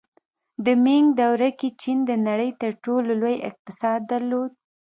د مینګ دورې کې چین د نړۍ تر ټولو لوی اقتصاد درلود.